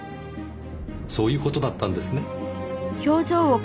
そういう事だったんですね？